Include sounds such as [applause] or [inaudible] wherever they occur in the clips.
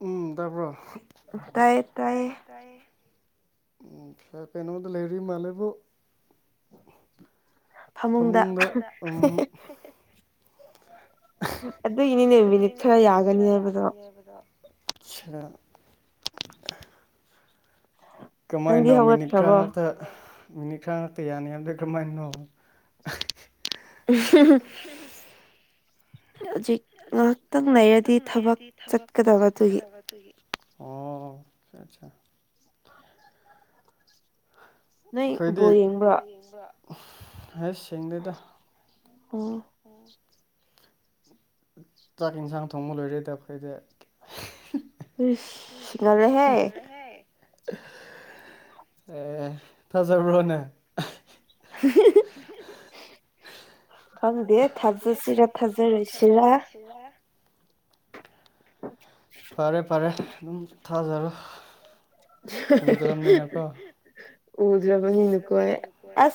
ꯎꯝ ꯇꯥꯕ꯭ꯔꯣ ꯇꯥꯏ ꯇꯥꯏꯌꯦ ꯀꯩꯅꯣꯗ ꯂꯩꯔꯤ ꯃꯥꯜꯂꯦꯕꯨ ꯐꯃꯨꯡꯗ ꯎꯝ ꯑꯗꯨ ꯏꯅꯦꯅꯦ ꯃꯤꯅꯤꯠ ꯈꯔ ꯌꯥꯒꯅꯤ ꯍꯥꯏꯕꯗꯣ ꯑꯗꯣ [unintelligible] ꯀꯔꯃꯥꯏꯅꯣ ꯃꯤꯅꯤꯠ ꯈꯔꯥ ꯉꯥꯛꯇ ꯃꯤꯅꯤꯠ ꯈꯔꯥ ꯉꯥꯛꯇ ꯌꯥꯅꯤ ꯍꯥꯏꯕꯗꯣ ꯀꯔꯝꯃꯥꯏꯅꯅꯣ ꯎꯝ ꯍꯨꯝ ꯍꯨꯝ ꯍꯧꯖꯤꯛ ꯍꯧꯖꯤꯛ ꯉꯥꯛꯇꯪ ꯂꯩꯔꯗꯤ ꯊꯕꯛ ꯆꯠꯀꯗꯕꯗꯨꯒꯤ ꯑꯣ ꯑꯆꯥ ꯆꯥ ꯅꯪ ꯕꯣꯜ ꯌꯦꯡꯕ꯭ꯔꯣ [inaudible] ꯃꯌꯦꯛ ꯁꯦꯡꯗꯦꯗ ꯎꯝ ꯆꯥꯛ ꯏꯟꯁꯥꯡ ꯊꯣꯡꯕ ꯂꯣꯏꯔꯦꯗ ꯑꯩꯈꯣꯏꯗꯤ ꯏꯁ ꯉꯜꯂꯦꯍꯦ ꯑꯦ ꯐꯖꯕ꯭ꯔꯣꯅꯦ [inaudible] ꯈꯪꯗꯦ ꯈꯪꯗꯦ ꯊꯥꯖꯁꯤꯔ ꯊꯥꯖꯔꯣꯏꯁꯤꯔ ꯐꯔꯦ ꯐꯔꯦ ꯗꯨꯝ ꯊꯥꯖꯔꯣ [inaudible] ꯎꯗꯔꯕꯅꯤꯅꯥꯀꯣ ꯎꯗꯔꯕꯅꯤꯅ ꯀꯣꯔꯦ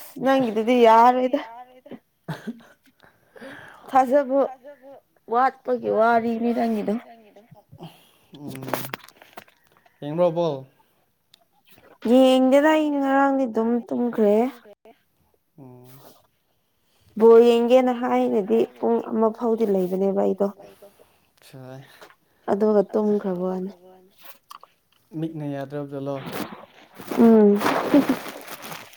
ꯅꯪꯒꯤꯗꯨꯗꯤ ꯌꯥꯔꯦꯗ ꯊꯥꯖꯕ ꯋꯥꯠꯄꯒꯤ ꯋꯥꯔꯤꯅꯤ ꯅꯪꯅꯤꯗꯨ ꯎꯝ ꯌꯦꯡꯂꯣꯏꯔꯕꯣ꯫ [unintelligible] ꯌꯦꯡꯗꯦꯗ ꯑꯩ ꯉꯔꯡꯗꯤ ꯑꯗꯨꯝ ꯇꯨꯝꯒꯔꯦ ꯕꯣꯔ ꯌꯦꯡꯒꯦꯅ ꯍꯥꯏꯅꯗꯤ ꯄꯨꯡ ꯑꯃ ꯐꯥꯎꯗꯤ ꯂꯩꯕꯅꯦꯕ ꯑꯩꯗꯣ ꯍꯣꯏ ꯑ ꯇꯣꯡꯈ꯭ꯔꯕꯣꯅꯦ ꯃꯤꯠꯅ ꯌꯥꯗ꯭ꯔꯕꯗꯨꯂꯣ ꯎꯝ [unintelligible]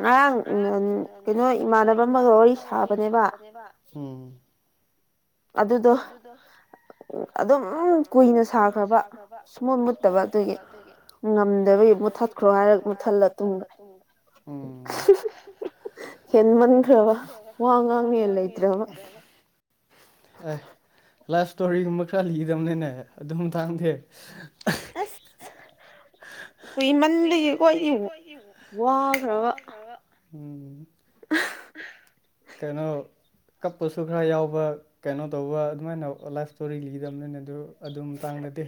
ꯉꯔꯥꯡ ꯀꯩꯅꯣ ꯏꯃꯥꯟꯅꯕ ꯑꯃꯒ ꯋꯥꯔꯤ ꯁꯥꯕꯅꯦꯕ ꯎꯝ ꯑꯗꯨꯗꯣ ꯑꯗꯨꯝ ꯀꯨꯏꯅ ꯁꯥꯈ꯭ꯔꯕ ꯁꯃꯨꯠ ꯃꯨꯠꯇꯕ ꯑꯗꯨꯒꯤ ꯉꯝꯗꯕꯩ ꯃꯨꯠꯊꯠꯈ꯭ꯔꯣ ꯍꯥꯏꯔꯒ ꯃꯨꯠꯊꯠꯂ ꯇꯨꯝꯕ ꯎꯝ ꯍꯟꯃꯟꯈ꯭ꯔꯕ ꯋꯥꯉꯥꯡꯅꯤꯉꯥꯏ ꯂꯩꯇ꯭ꯔꯕ ꯑꯦ ꯂꯚ ꯏꯁꯇꯣꯔꯤꯒꯨꯝꯕ ꯈꯔ ꯂꯤꯗꯧꯕꯅꯤꯅꯦ ꯑꯗꯨ ꯃꯇꯥꯡꯗꯗꯤ ꯑꯁ ꯀꯨꯏꯃꯟꯕꯩꯀꯣ ꯑꯩꯁꯦ ꯋꯥꯈ꯭ꯔꯕ ꯀꯩꯅꯣ ꯀꯞꯄꯁꯨ ꯈꯔ ꯌꯥꯎꯕ ꯀꯩꯅꯣ ꯇꯧꯕ ꯑꯗꯨꯃꯥꯏꯅ ꯂꯥꯏꯐ ꯏꯁꯇꯣꯔꯤ ꯂꯤꯔꯝꯕꯅꯦ ꯑꯗꯨ ꯑꯗꯨ ꯃꯇꯥꯡꯗꯗꯤ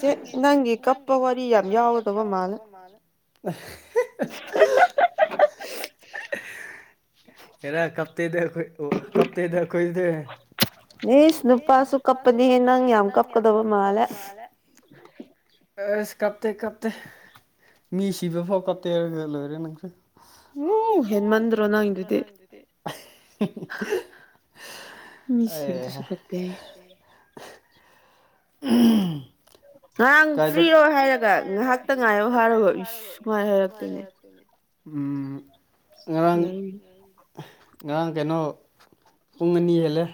ꯅꯡꯒꯤꯁꯦ ꯅꯡ ꯆꯠꯄ ꯋꯥꯔꯤ ꯌꯥꯝ ꯌꯥꯎꯒꯗꯕ ꯃꯥꯜꯂꯦ ꯍꯥ ꯍꯥ ꯍꯥ ꯍꯥ ꯍꯥ ꯍꯥ ꯍꯦꯔ ꯀꯞꯇꯦꯗꯥ ꯑꯩꯈꯣꯏ ꯑꯣ ꯀꯞꯇꯦꯗꯥ ꯑꯩꯈꯣꯏꯗꯤ ꯏꯁ ꯅꯨꯄꯥꯁꯨ ꯀꯞꯄꯅꯤꯍꯦ ꯅꯪ ꯌꯥꯝ ꯀꯞꯀꯗꯕ ꯃꯥꯜꯂꯦ ꯑꯁ ꯀꯥꯞꯇꯦ ꯀꯥꯞꯇꯦ ꯃꯤ ꯁꯤꯕ ꯐꯥꯎ ꯀꯥꯞꯇꯦꯔꯒ ꯂꯣꯏꯔꯦ ꯅꯪꯁꯨ ꯎꯝ ꯍꯦꯟꯃꯟꯗ꯭ꯔꯣ ꯅꯪꯗꯨꯗꯤ ꯑꯦꯍꯥ ꯑꯨꯝ ꯉꯔꯥꯡ ꯐ꯭ꯔꯤꯔꯣ ꯍꯥꯏꯔꯒ ꯉꯥꯏꯍꯥꯛꯇ ꯉꯥꯏꯌꯧ ꯍꯥꯏꯔꯣ ꯁꯨꯃꯥꯏ ꯍꯥꯏꯔꯛꯇꯣꯏꯅꯦ ꯎꯝ ꯉꯔꯥꯡ ꯉꯔꯥꯡ ꯀꯩꯅꯣ ꯄꯨꯡ ꯑꯅꯤ ꯍꯦꯜꯂꯦ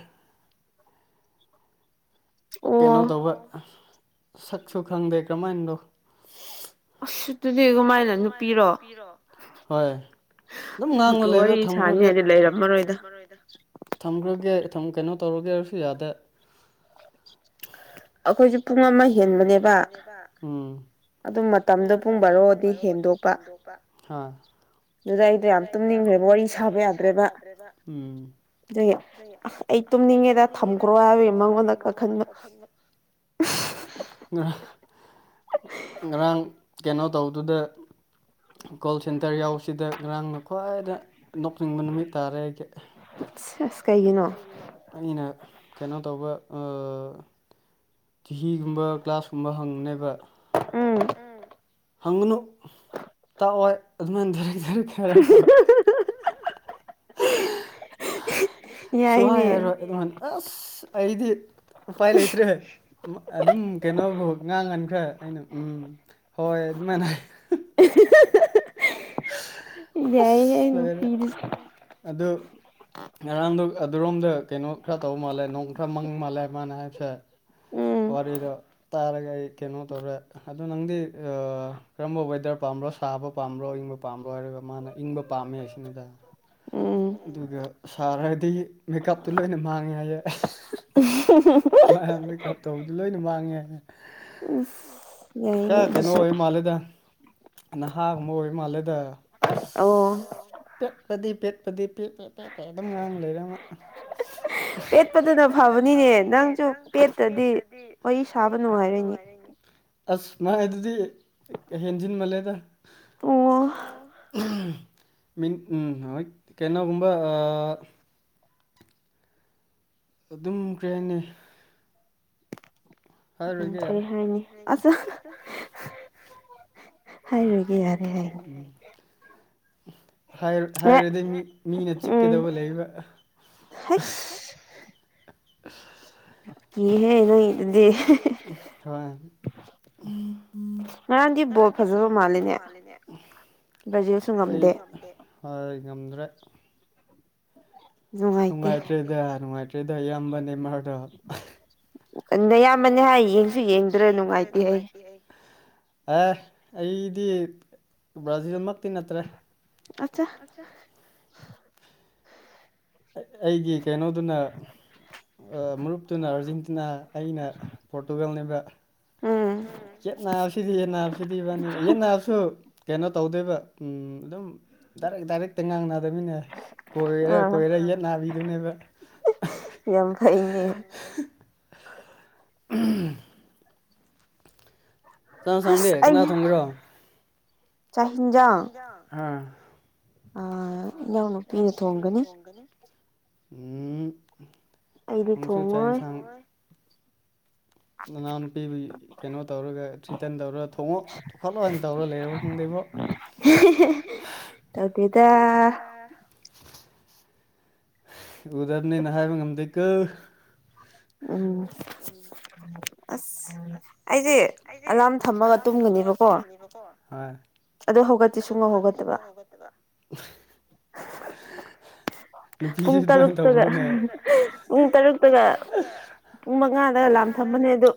ꯀꯩꯅꯣ ꯇꯧꯕ ꯁꯛꯁꯨ ꯈꯪꯗꯦ ꯀꯔꯝꯍꯥꯏꯅꯗꯣ ꯑꯁ ꯑꯗꯨꯨꯗꯤ ꯀꯃꯥꯏꯅ ꯅꯨꯄꯤꯔꯣ ꯍꯣꯏ ꯑꯗꯨꯝ ꯉꯥꯡꯗꯨꯅ ꯂꯩꯔꯣ ꯊꯝꯒꯔꯒꯦ ꯑꯩꯪ ꯂꯩꯔꯝꯃꯔꯣꯌꯗ ꯊꯝꯈ꯭ꯔꯒꯦ ꯀꯩꯅꯣ ꯇꯧꯔꯒꯦ ꯍꯥꯏꯔꯁꯨ ꯌꯥꯗꯦ ꯑꯩꯈꯣꯏꯁꯦ ꯄꯨꯡ ꯑꯃ ꯍꯦꯟꯕꯅꯦꯕ ꯑꯗꯨꯝ ꯃꯇꯝꯗꯣ ꯄꯨꯡ ꯕꯥꯔꯣꯗꯤ ꯍꯦꯟꯗꯣꯛꯄ ꯑꯗꯨꯗ ꯑꯩꯗꯣ ꯌꯥꯝ ꯇꯨꯝꯅꯤꯡꯉ꯭ꯔꯦꯕꯣ ꯑꯩ ꯁꯥꯕ ꯌꯥꯗ꯭ꯔꯦꯕ ꯑꯩ ꯇꯨꯝꯅꯤꯡꯉꯦꯗ ꯊꯝꯈ꯭ꯔꯣ ꯍꯥꯏꯕꯒꯤ ꯃꯉꯣꯟꯗ ꯀꯥꯈꯟꯕ ꯑꯁ ꯉꯥ ꯉꯔꯥꯡ ꯀꯩꯅꯣ ꯇꯧꯕꯗꯨꯗ ꯀꯣꯜ ꯁꯦꯟꯇꯔ ꯌꯥꯎꯕꯁꯤꯗ ꯉꯔꯥꯡꯅ ꯈ꯭ꯋꯥꯏꯗ ꯆꯤꯡꯕ ꯅꯨꯃꯤꯠ ꯇꯥꯔꯦ ꯀꯩꯒꯤꯅꯣ ꯑꯩꯅ ꯀꯩꯅꯣ ꯇꯧꯕ ꯑꯥ ꯇꯤꯚꯤꯒꯨꯝꯕ ꯒ꯭ꯂꯥꯁꯀꯨꯝꯕ ꯍꯪꯅꯦꯅꯕ ꯍꯪꯒꯅꯨ ꯇꯥꯛꯑꯣꯏ ꯑꯗꯨꯃꯥꯏꯅ ꯔꯦꯛ ꯔꯦ ꯊꯔꯛꯄ ꯁꯨꯍꯥꯏ ꯍꯥꯏꯔꯣꯏ ꯑꯩꯉꯣꯟ ꯑꯁ ꯑꯩꯗꯤ ꯎꯄꯥꯏ ꯂꯩꯇ꯭ꯔꯦ ꯑꯗꯨꯝ ꯀꯩꯅꯣꯐꯧ ꯉꯥꯡꯍꯟꯈ꯭ꯔꯦ ꯑꯩꯅ ꯎꯝ ꯍꯣꯏ ꯑꯗꯨꯃꯥꯏꯅ ꯑꯁ ꯂ‌ꯣꯏꯔ‌ꯦ ꯑꯗꯨ ꯉꯔꯥꯡꯗꯣ ꯑꯗꯨꯔꯣꯝꯗ ꯀꯩꯅꯣ ꯈꯔ ꯇꯧ ꯃꯥꯜꯂꯦ ꯅꯣꯡ ꯈꯔ ꯃꯪ ꯃꯥꯜꯂꯦ ꯃꯥꯅ ꯍꯥꯏꯕꯁꯦ ꯋꯥꯔꯤꯗꯣ ꯇꯥꯔ‌ꯦ ꯑꯩ ꯀꯩꯅꯣ ꯇꯧꯔꯦ ꯑꯗꯣ ꯅꯪꯗꯤ ꯀꯔꯝꯕ ꯋꯦꯗꯔ ꯄꯥꯝꯕ꯭ꯔꯣ ꯁꯥꯕ ꯄꯥꯝꯕ꯭ꯔꯣ ꯏꯪꯕ ꯄꯥꯝꯕ꯭ꯔꯣ ꯍꯥꯏꯔꯒ ꯃꯥꯅ ꯏꯪꯕ ꯄꯥꯝꯃꯦ ꯑꯁꯤꯅꯤꯗꯥ ꯎꯝ ꯑꯗꯨꯒ ꯁꯥꯔ‌ꯦ ꯍꯥꯏꯗꯤ ꯃꯦꯀꯞꯇꯨ ꯂꯣꯏꯅ ꯃꯥꯡꯉꯦ ꯍꯥꯏꯌꯦ ꯃꯥ ꯃꯦꯀꯞ ꯇꯧꯕꯗꯨ ꯂꯣꯏꯅ ꯃꯥꯡꯉꯦ ꯍꯥꯏꯌ‌ꯦ ꯀꯥ ꯀꯩꯅ‌ꯣ ꯑꯣꯏ ꯃꯥꯜꯂꯦꯗ꯫ ꯅꯍꯥꯒꯨꯝꯕ ꯑꯣꯏ ꯃꯥꯜꯂꯦꯗ ꯑꯁ ꯄ‍ꯦꯠꯄꯗꯤ ꯄꯦꯠꯄꯗꯤ ꯄꯦ ꯄ‌ꯦ ꯄꯦ ꯄ‌ꯦ ꯑꯗꯨꯝ ꯉꯥꯡ ꯂꯩꯔꯦ ꯃꯥ ꯄꯦꯠꯄꯗꯨꯅ ꯐꯕꯅꯤꯅꯦ ꯅꯪꯁꯨ ꯄꯦꯠꯇꯗꯤ ꯃ‌ꯣꯏ [unintelligible] ꯑꯁ ꯃꯥꯥꯏ ꯑꯗꯨꯗꯤ ꯍꯦꯟꯖꯤꯟ ꯃꯥꯜꯂꯦꯗ ꯑꯣ ꯃꯤꯠ ꯍꯣꯏ ꯀꯩꯅꯣꯒꯨꯝꯕ ꯑꯗꯨꯝ ꯀ꯭ꯔꯦ ꯍꯥꯏꯅꯤ ꯍꯥꯏꯔꯣꯏꯒꯦ ꯌꯥꯔꯦ ꯀꯩꯍꯥꯏꯅꯣ ꯑꯗꯣ [unintelligible] ꯍꯥꯏꯔ‌ꯣꯏꯒꯦ ꯌꯥꯅꯤ ꯍꯥꯏ ꯍꯥꯏ ꯍꯥꯏꯔꯗꯤ ꯃꯤ ꯃꯤꯅ ꯆꯤꯛꯀꯗꯕ ꯂꯩꯕ ꯀꯤꯍꯦ ꯅꯣꯏꯗꯨꯗꯤ [unintelligible] ꯎꯝ ꯉꯔꯥꯡꯗꯤ ꯕꯣꯜ ꯐꯖꯕ ꯃꯥꯜꯂꯤꯅꯦ ꯑꯩ ꯉꯝꯗꯦ ꯍꯥꯏ ꯉꯝꯗ꯭ꯔꯦ ꯅꯨꯡꯉꯥꯏꯇ꯭ꯔꯦꯗ ꯅꯨꯡꯉꯥꯏꯇ꯭ꯔꯦꯗ ꯏꯌꯥꯝꯕ ꯅꯦꯃꯥꯔꯗ‌ꯣ ꯅꯌꯥꯝꯕꯅꯤ ꯍꯥꯏꯔ ꯌꯦꯡꯁꯨ ꯌꯦꯡꯗ꯭ꯔ‌ꯦ ꯅꯨꯡꯉꯥꯏꯇꯦ ꯑꯩ ꯑꯦ ꯑꯩꯗꯤ ꯕ꯭ꯔꯥꯖꯤꯜꯃꯛꯇꯤ ꯅꯠꯇ꯭ꯔꯦ ꯑꯆꯥ ꯑꯩꯒꯤ ꯀꯩꯅꯣꯗꯨꯅ ꯃꯔꯨꯞꯇꯨꯅ ꯑꯥꯔꯖꯦꯟꯇꯤꯅꯥ ꯑꯩꯅ ꯄꯣꯔꯇꯨꯒꯜꯅꯦꯕ ꯌꯦꯠ ꯅꯥꯕꯁꯤꯗꯤ ꯌꯦꯠꯅꯥꯕ ꯁꯤꯗꯤ ꯏꯕꯅꯤ ꯌꯦꯠꯅꯥꯔꯁꯨ ꯀꯩꯅꯣ ꯇꯧꯗꯣꯏꯕ ꯑꯗꯨꯝ ꯗꯥꯏꯔꯦꯛ ꯗꯥꯏꯔꯦꯛꯇ ꯉꯥꯡꯅꯗꯃꯤꯅꯦ ꯀꯣꯏꯔ ꯀꯣꯏꯔ ꯌꯦꯠ ꯅꯥꯕꯤꯗꯨꯅꯦꯕ ꯌꯥꯝ ꯐꯩꯅꯦ [unintelligible] ꯆꯥꯛ ꯏꯟꯁꯥꯡꯗꯤ ꯀꯅꯥ ꯊꯣꯡꯒ‌ꯦꯔꯣ ꯆꯥꯛ ꯏꯟꯖꯥꯡ ꯑꯥ ꯑꯥ ꯏꯅꯥꯎꯅꯨꯄꯤꯅ ꯊꯣꯡꯒꯅꯤ ꯎꯝ ꯅꯪꯁꯨ ꯆꯥꯛ ꯏꯟꯁꯥꯡ [unintelligible] ꯅꯅꯥꯎꯅꯨꯄꯤꯕꯨ ꯀꯩꯅꯣ ꯇꯧꯔꯒ ꯊ꯭ꯔꯤꯇꯟ ꯇꯧꯔ ꯊꯣꯡꯉꯣ ꯇꯨꯈꯠꯂꯣ ꯍꯥꯏꯅ ꯇꯧꯔ ꯂꯩꯔꯕ ꯈꯪꯗꯦꯕꯣ ꯇꯧꯗ‌ꯦꯗ [unintelligible] ꯎꯗꯕꯅꯦꯅ ꯍꯥꯏꯕ ꯉꯝꯗꯦꯀ‌ꯣ ꯎꯝ ꯑꯁ ꯑꯩꯗꯤ ꯑꯩꯗꯤ ꯑꯂꯥꯔꯝ ꯊꯝꯃꯒ ꯇꯨꯝꯒꯅꯦꯕꯀꯣ ꯍ‌ꯣꯏ ꯑꯗꯨ ꯍꯧꯒꯠꯇꯤ ꯁꯨꯡꯍꯧ ꯍꯧꯒꯠ ꯇ‌ꯩꯕ [unintelligible] ꯅꯨꯄꯤꯁꯦ ꯑꯗꯨꯃꯥꯏꯅ ꯇꯧꯕ꯭ꯔꯣꯅꯦ [unintelligible] ꯄꯨꯡ ꯇꯔꯨꯛꯇꯒ ꯄꯨꯡ ꯃꯉꯥꯗꯒ ꯑꯦꯂꯥꯝ ꯊꯝꯕꯅꯦ ꯑꯗꯨ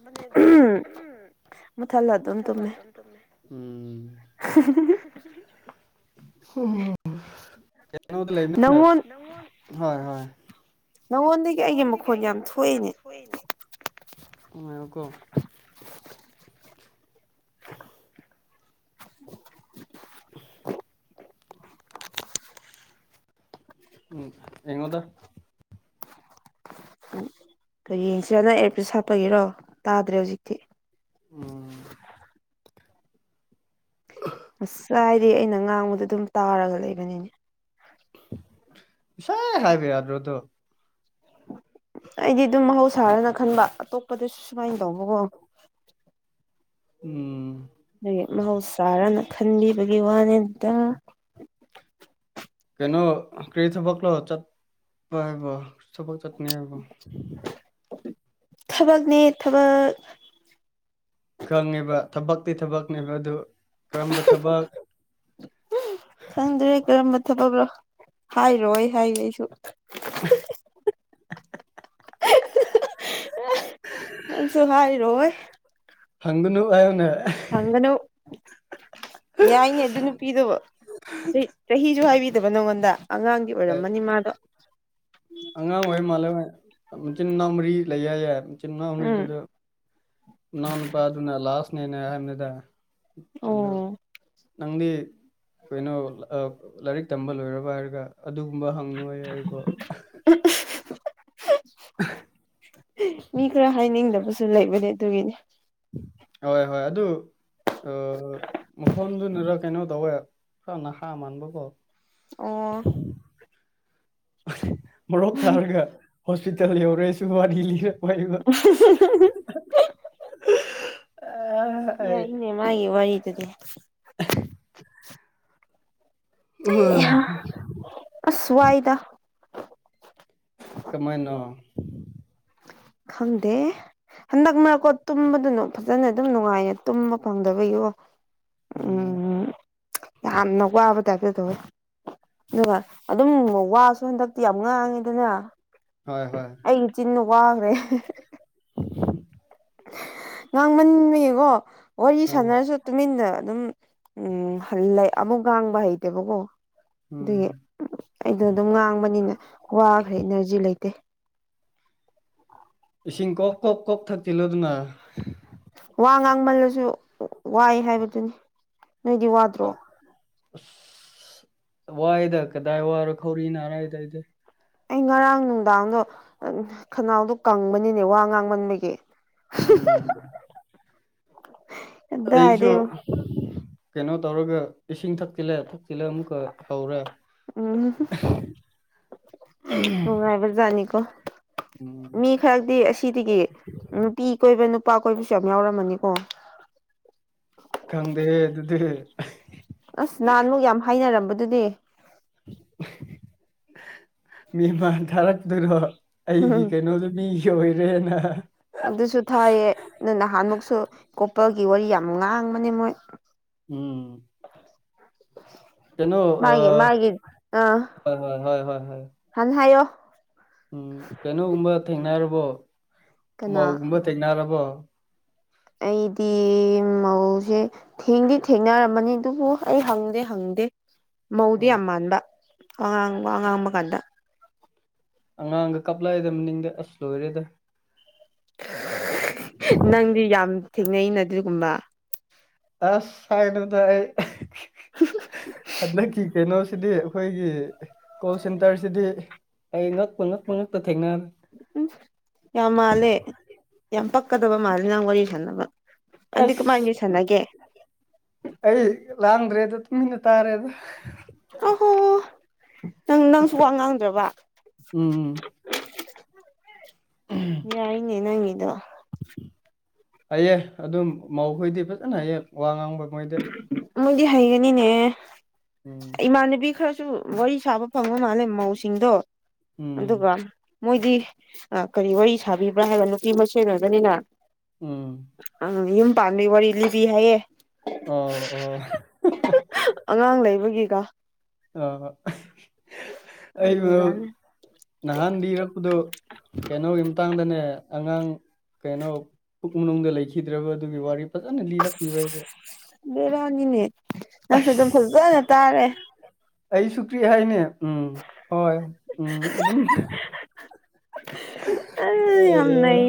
ꯃꯨꯊꯠꯂ ꯑꯗꯨꯝ ꯇꯨꯝꯃꯦ ꯎꯝ [unintelligible] ꯀꯩꯅ‌ꯣꯗ ꯂꯩꯕꯅꯤꯅ ꯅꯪꯉ‌ꯣꯟ ꯍꯣꯏ ꯍꯣꯏ ꯅꯪꯉꯣꯟꯗꯒꯤ ꯑꯩꯒꯤ ꯃꯈꯣꯟ ꯌꯥꯝ ꯊꯣꯛꯑꯦꯅꯦ ꯍꯣꯏꯅꯤ ꯎꯀꯣ [unintelligible] ꯎꯝ ꯑꯦꯉꯣꯟꯗ ꯎ ꯌꯦꯡꯁꯤꯔꯥ ꯅꯪ ꯑꯦꯞꯇꯦ ꯁꯥꯠꯄꯒꯤꯔꯣ ꯇꯥꯗ꯭ꯔꯦ ꯍꯧꯖꯤꯛꯇꯤ ꯎꯝ ꯑꯁ ꯍꯥꯏꯗꯤ ꯑꯩꯅ ꯉꯥꯡꯕꯗ ꯑꯗꯨꯝ ꯇꯥꯔꯒ ꯂꯩꯕꯅꯤꯅꯦ ꯄꯤꯁꯥꯏ ꯍꯥꯏꯕ ꯌꯥꯗ꯭ꯔꯣ ꯗꯣ ꯑꯩꯗꯤ ꯑꯗꯨꯝ ꯃꯍꯧꯁꯥꯔꯅ ꯈꯟꯕ ꯑꯇꯣꯞꯄꯗꯁꯨ ꯁꯨꯃꯥꯏꯅ ꯇꯧꯕꯀꯣ ꯎꯝ ꯑ ꯃꯍꯧꯁꯥꯔꯅ ꯈꯟꯕꯤꯕꯒꯤ ꯋꯥꯅꯦꯇ ꯀꯩꯅꯣ ꯀꯔꯤ ꯊꯕꯛ ꯂ‌ꯣ ꯆꯠꯄ ꯍꯥꯏꯕ ꯊꯕꯛ ꯆꯠꯅꯤ ꯍꯥꯏꯕ ꯊꯕꯛꯅꯦ ꯊꯕꯛ ꯈꯪꯉꯦꯕ ꯊꯕꯛꯇꯤ ꯊꯕꯛꯅꯦꯕ ꯑꯗꯨ ꯀꯔꯝꯕ ꯊꯕꯛ [unintelligible] ꯆꯪꯗ꯭ꯔꯦ ꯀꯔꯝꯕ ꯊꯕꯛꯅꯣ ꯍꯥꯏꯔꯣ ꯑꯩ ꯍꯥꯏꯒꯦ ꯑꯩꯁꯨ [unintelligible] ꯑꯩꯁꯨ ꯍꯥꯏꯔꯣꯏ ꯍꯪꯒꯨ ꯑꯩꯥꯏꯅ ꯍꯪꯅꯨ ꯌꯥꯏꯅꯦ ꯑꯗꯨ ꯅꯨꯄꯤꯗꯨ ꯆꯍꯤꯁꯨ ꯍꯥꯏꯕꯤꯗꯕ ꯅꯉꯣꯟꯗ ꯑꯉꯥꯡ ꯑꯣꯏꯔꯝꯃꯅꯤ ꯃꯥꯗꯣ ꯑꯉꯥꯡꯍꯣꯏꯩ ꯃꯥꯜꯂꯦ ꯍꯣꯏ ꯃꯆꯤꯟ ꯃꯅꯥꯎ ꯃꯔꯤ ꯂꯩꯌꯥꯌꯦꯏ ꯃꯆꯤꯟ ꯃꯅꯥꯎ ꯃꯔꯤꯗꯨꯗ ꯏꯅꯥꯎ ꯅꯨꯄꯥꯗꯨꯅ ꯂꯥꯁꯅꯦꯅꯦ ꯍꯥꯏꯕꯅꯤꯗ ꯑ ꯅꯪꯗꯤ ꯀꯩꯅꯣ ꯂꯥꯏꯔꯤꯛ ꯇꯝꯕ ꯂꯣꯏꯔꯕ ꯍꯥꯏꯔꯒ ꯑꯗꯨꯒꯨꯝꯕ ꯍꯪꯉꯣꯏ ꯍꯥꯏꯕꯣ ꯃꯤꯈꯔꯥ ꯍꯥꯏꯅꯤꯡꯗꯕꯁꯨ ꯂꯩꯕꯅꯤ ꯑꯗꯨꯒꯤꯅꯤ ꯍꯣꯏ ꯍꯣꯏ ꯑꯗꯨ ꯃꯈꯐꯝꯗꯨꯅꯛ ꯀꯩꯅꯣ ꯇꯧꯋꯦ ꯈꯅꯍꯥ ꯃꯥꯟꯕꯀꯣ ꯑꯣ ꯃꯨꯞꯞ ꯊꯥꯔꯒ ꯍꯣꯁꯄꯤꯇꯥꯜ ꯌꯧꯔꯁꯨ ꯋꯥꯔꯤ ꯂꯤꯔꯄꯕ ꯑ ꯌꯥꯏ ꯏꯅꯦ ꯃꯥꯒꯤ ꯋꯥꯔꯤꯗꯨꯗꯤ ꯎꯝ ꯑꯁꯋꯥꯏꯗ ꯀꯃꯥꯏꯅꯣ ꯈꯪꯗꯦ ꯍꯟꯗꯛ ꯃꯔꯛꯀꯣ ꯇꯨꯝꯕꯗꯨꯅ ꯐꯖꯅ ꯑꯗꯨꯝ ꯅꯨꯡꯉꯥꯏꯅ ꯇꯨꯝꯕ ꯐꯪꯗꯕꯒꯤꯣ ꯎꯝ ꯌꯥꯝꯅ ꯋꯥꯕ ꯇꯥꯏꯇ ꯇꯧ ꯑꯗꯨꯒ ꯑꯗꯨꯝ ꯋꯥꯁꯨ ꯍꯟꯗꯛꯇꯤ ꯌꯥꯝ ꯉꯥꯡꯉꯤꯗꯅ ꯍꯣꯏ ꯍꯣꯏ ꯑꯩꯒꯤ ꯆꯤꯟꯅ ꯋꯥ꯭ꯔꯦ [unintelligible] ꯉꯥꯡꯃꯟꯕꯌꯦꯀꯣ ꯋꯥꯔꯤ ꯁꯥꯟꯅꯔꯁꯨ ꯇꯨꯃꯤꯟꯗ ꯑꯗꯨꯝ ꯎꯝ ꯂꯩ ꯑꯃꯨꯛ ꯉꯥꯡꯕ ꯍꯩꯇꯦꯕꯀꯣ ꯑꯗꯨꯒꯤ ꯑꯩꯗꯣ ꯑꯗꯨꯝ ꯉꯥꯡꯕꯅꯤꯅ ꯋꯥ ꯈꯔ ꯏꯅꯔꯖꯤ ꯂꯩꯇꯦ ꯏꯁꯤꯡ ꯀꯣꯛ ꯀꯣꯛ ꯀꯣꯛ ꯊꯛꯆꯤꯜꯂꯗꯨꯅ ꯋꯥ ꯉꯥꯡꯃꯜꯂꯁꯨ ꯋꯥꯏ ꯍꯥꯏꯕꯗꯨꯅꯤ ꯅꯣꯏꯗꯤ ꯋꯥꯗ ꯑꯁ ꯋꯥꯏꯗ ꯀꯗꯥꯏ ꯋꯥꯔ ꯈꯧꯔꯤ ꯔꯥꯏꯗꯏꯗ ꯑꯩ ꯉꯔꯥꯡ ꯅꯨꯡꯗꯥꯡꯗꯣ ꯈꯅꯥꯎꯗꯣ ꯀꯪꯕꯅꯤꯅꯦ ꯋꯥ ꯉꯥꯡꯃꯟꯕꯒꯤ ꯎꯝ [unintelligible] ꯑꯩꯁꯨ ꯀꯩꯅꯣ ꯇꯧꯔꯒ ꯏꯁꯤꯡ ꯊꯛꯀꯂꯊꯛ ꯁꯤꯤꯂꯝꯂꯝ ꯀ ꯍꯧꯥꯎꯔ ꯑꯣ ꯍꯥꯏꯥꯏꯕꯔꯖꯅꯤꯀꯣ ꯃꯤ ꯈꯔꯗꯤꯤ ꯑꯁꯤꯗꯒꯤ ꯅꯨꯄꯤ ꯀꯣꯏꯕ ꯅꯨꯄꯥ ꯀꯣꯏꯕꯁꯨ ꯌꯥꯝ ꯌꯥꯎꯔꯝꯃꯅꯤꯀꯣ ꯈꯪꯗꯦ ꯑꯗꯨꯗꯤ ꯑꯁ ꯅꯍꯥꯟꯃꯨꯛ ꯌꯥꯝ ꯍꯥꯏꯅꯔꯝꯕꯗꯨꯗꯤ ꯃꯤꯃꯥꯟ ꯊꯥꯔꯛꯇꯅꯣ ꯑꯩꯒꯤ ꯀꯩꯅꯣꯗꯨ ꯃꯤꯁꯨ ꯑꯣꯏꯔꯦꯅ ꯑꯗꯨꯁꯨ ꯊꯥꯏꯌꯦ ꯑꯗꯨ ꯅꯍꯥꯟꯃꯨꯛꯁꯨ ꯀꯣꯄꯒꯤ ꯋꯥꯔꯤ ꯌꯥꯝ ꯉꯥꯡꯕꯅꯦ ꯃꯣꯏ ꯎꯝ [unintelligible] ꯀꯩꯅꯣ ꯑ ꯍ ꯍꯣꯏ ꯍ ꯍ ꯍ ꯍꯜ ꯍꯥꯏꯣ ꯎꯝ ꯀꯩꯅꯣꯒꯨꯝꯕ ꯊꯦꯡꯅꯔꯕꯣ ꯃꯧꯒꯨꯝꯕ ꯊꯦꯡꯅꯔꯕꯣ ꯑꯩꯗꯤ ꯃꯧꯁꯦ ꯊꯦꯡꯗꯤ ꯊꯦꯡꯅꯔꯝꯃꯅꯤ ꯑꯗꯨꯕꯨ ꯑꯩ ꯍꯪꯗꯦ ꯍꯪꯗꯦ ꯃꯧꯗꯤ ꯌꯥꯝ ꯃꯥꯟꯕ ꯑꯉꯥꯡꯕ ꯋꯥꯉꯥꯡꯕ ꯀꯥꯟꯗ ꯑꯉꯥꯡꯒ ꯀꯞꯂꯛꯑꯏꯗ ꯃꯅꯤꯡꯗ ꯑꯁ ꯂꯣꯏꯔꯦꯗ ꯅꯪꯗꯤ ꯌꯥꯝ ꯊꯦꯡꯅꯩꯩꯅ ꯑꯗꯨꯒꯒꯨꯝꯕ ꯑꯁ ꯁꯥꯏꯅ ꯇꯥꯏ ꯍꯟꯗꯛꯀꯤ ꯀꯩꯅꯣꯁꯤꯗꯤ ꯑꯩꯈꯣꯏꯒꯤ ꯀꯣꯜ ꯁꯦꯟꯇꯔꯁꯤꯗꯤ ꯑꯩ ꯉꯛꯄ ꯉꯛꯄ ꯉꯛꯇ ꯊꯦꯡꯅ ꯎꯝ ꯌꯥꯝ ꯃꯥꯜꯂꯦ ꯌꯥꯝ ꯄꯛꯀꯗꯕ ꯃꯥꯜꯂꯦ ꯅꯪ ꯋꯥꯔꯤ ꯁꯥꯟꯅꯕ ꯑꯁ ꯑꯩ ꯂꯥꯡꯗ꯭ꯔꯦꯗ ꯇꯨꯃꯤꯟꯅ ꯇꯥꯔꯦꯗ ꯑꯍꯣ ꯅꯪ ꯅꯪꯁꯨ ꯋꯥ ꯉꯥꯡꯗ꯭ꯔꯕ ꯎꯝ ꯌꯥꯏꯅꯦ ꯅꯪꯗꯣ ꯍꯌꯦꯡ ꯑꯗꯨꯝ ꯃꯧꯈꯣꯏꯗꯤ ꯐꯖꯅ ꯍꯌꯦꯡ ꯋꯥ ꯉꯥꯡꯕ ꯈꯩꯗꯦ ꯃꯗꯤ ꯍꯩꯒꯅꯤꯅꯦ ꯎꯝ ꯏꯃꯥꯟꯅꯕꯤ ꯈꯔꯁꯨ ꯋꯥꯔꯤ ꯁꯥꯕ ꯐꯪꯕ ꯃꯥꯜꯂꯦ ꯃꯧꯁꯤꯡꯗꯣ ꯑꯗꯨꯒ ꯃꯣꯏꯗꯤ ꯀꯔꯤ ꯋꯥꯔꯤ ꯁꯥꯕꯤꯕ꯭ꯔꯥ ꯍꯥꯏꯕ ꯅꯨꯄꯤ ꯃꯆꯣꯏ ꯑꯣꯏꯕꯅꯤꯅ ꯎꯝ ꯎꯝ ꯌꯨꯝ ꯄꯥꯟꯝꯗ ꯋꯥꯔꯤ ꯂꯤꯕꯤ ꯍꯥꯏꯌꯦꯦ ꯑꯣ ꯑꯣ ꯑꯉꯥꯡ ꯂꯩꯕꯒꯤꯒ ꯑ ꯑꯩꯕꯨ ꯅꯍꯥꯟꯗꯤ ꯏꯔꯛꯄꯗꯣ ꯀꯩꯅꯣꯒꯤ ꯃꯇꯥꯡꯗꯅꯦ ꯑꯉꯥꯡ ꯀꯩꯅꯣ ꯄꯨꯛ ꯃꯅꯨꯡꯗ ꯂꯩꯈꯤꯗ꯭ꯔꯕ ꯑꯗꯨꯒꯤ ꯋꯥꯔꯤ ꯐꯖꯅ ꯂꯤꯔꯛꯄꯤꯕ ꯍꯥꯏꯁꯦ ꯕꯤꯔꯥꯅꯤꯅꯦ ꯅꯪꯁꯨ ꯑꯗꯨꯝ ꯐꯖꯅ ꯇꯥꯔꯦ ꯑꯩ ꯁꯨ ꯀ꯭ꯔꯤ ꯍꯥꯏꯅꯦ ꯎꯝ ꯍꯣꯏ ꯎꯝ ꯑꯗꯨꯝ ꯑꯦ